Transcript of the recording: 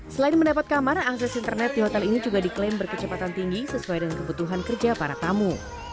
selain mendapat kamar akses internet di hotel ini juga diklaim berkecepatan tinggi sesuai dengan kebutuhan kerja para tamu